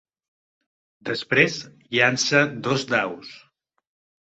Després llança dos daus.